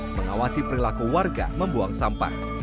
mengawasi perilaku warga membuang sampah